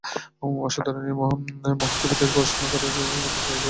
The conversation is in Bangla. অসাধারণ এই মহান কবিদের পড়াশুনা করে কেউ কীভাবে বন্দুক চালাতে পারে?